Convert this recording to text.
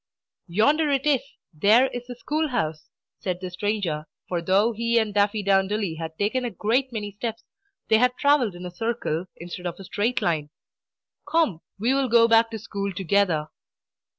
"Yonder it is, there is the school house!" said the stranger, for though he and Daffydowndilly had taken a great many steps, they had travelled in a circle instead of a straight line. "Come; we will go back to school together."